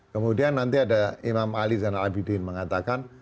kemudian nanti ada imam ali zanal abidin mengatakan